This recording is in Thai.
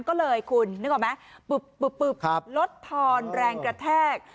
ก็เลยคุณนึกออกไหมปึ๊บลดทอนแรงกระแทก